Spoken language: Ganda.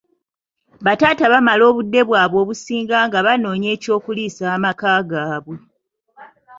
Bataata bamala obudde bwabwe obusinga nga banoonya eky'okuliisa amaka gaabwe.